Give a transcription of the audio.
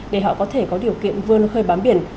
để họ có thể có điều kiện vươn khơi bám biển